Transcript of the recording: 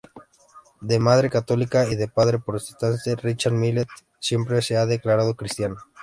De madre católica y padre protestante, Richard Millet siempre se ha declarado cristiano.